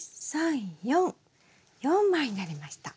４枚になりました。